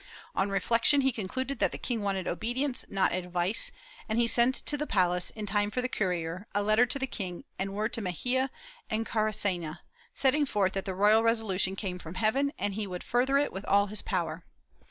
On reflection he concluded that the king wanted obedience, not advice, and he sent to the palace, in time for the courier, a letter to the king, and word to Mexia and Caracena, setting forth that the royal reso lution came from heaven and he would further it with all his power.